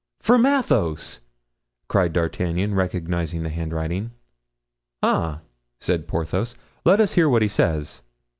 "From Athos!" cried D'Artagnan, recognizing the handwriting. "Ah!" said Porthos, "let us hear what he says."